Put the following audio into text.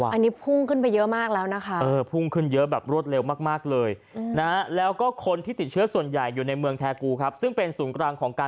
อันนี้พุ่งขึ้นไปเยอะมากแล้วนะคะ